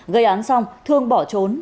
gây án xong thương bỏ trốn